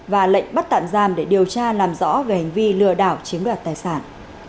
và lệnh bắt tạm giam để điều tra làm rõ về hành vi lừa đảo chiếm đoạt tài sản